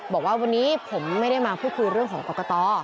บอกว่าวันนี้ผมไม่ได้มาพูดคุยเรื่องของกรกต